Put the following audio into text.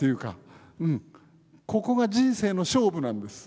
ここが人生の勝負なんです。